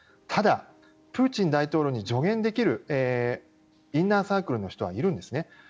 ただ、プーチン大統領に助言できるインナーサークルの人はいるんですね。